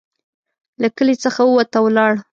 له کلي څخه ووت او ولاړ.